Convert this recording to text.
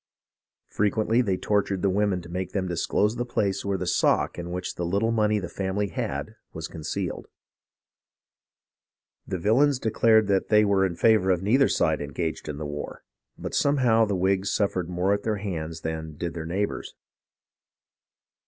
Frequently they tortured the women to make them disclose the place where the sock in which the little money the family had was concealed. The villains declared they were in favour of neither side engaged in the war ; but somehow the Whigs suffered more at their hands than did their neighbours.